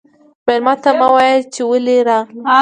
مېلمه ته مه وايه چې ولې راغلې.